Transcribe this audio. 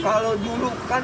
kalau dulu kan